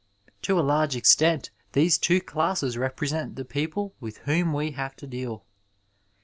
To a large extent these two classes represent the people with whom we have to deal.